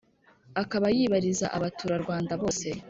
akaba yibaliza abatura rwanda bose